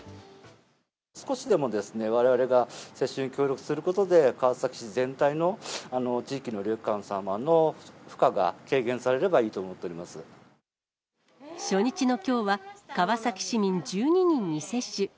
少しでもわれわれが接種に協力することで、川崎市全体の地域の医療機関様の負荷が軽減されればいいと思って初日のきょうは、川崎市民１２人に接種。